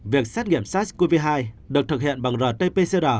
việc xét nghiệm sars cov hai được thực hiện bằng rt pcr